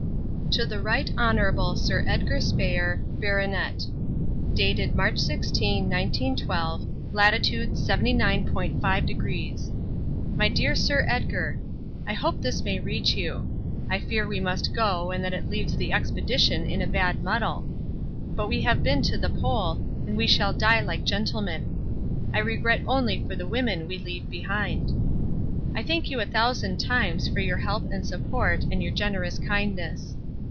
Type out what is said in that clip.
TO THE RIGHT HON. SIR EDGAR SPEYER, BART. Dated March 16, 1912. Lat. 79.5°. MY DEAR SIR EDGAR, I hope this may reach you. I fear we must go and that it leaves the Expedition in a bad muddle. But we have been to the Pole and we shall die like gentlemen. I regret only for the women we leave behind. I thank you a thousand times for your help and support and your generous kindness.